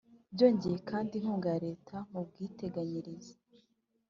Byongeye kandi inkunga ya Leta mu bwiteganyirize